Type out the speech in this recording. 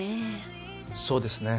そうですね。